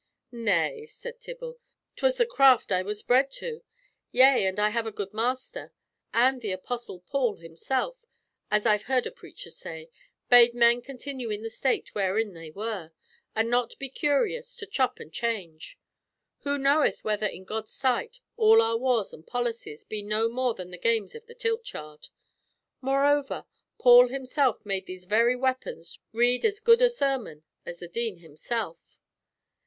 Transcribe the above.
"Nay," said Tibble, "'twas the craft I was bred to—yea, and I have a good master; and the Apostle Paul himself—as I've heard a preacher say—bade men continue in the state wherein they were, and not be curious to chop and change. Who knoweth whether in God's sight, all our wars and policies be no more than the games of the tilt yard. Moreover, Paul himself made these very weapons read as good a sermon as the Dean himself.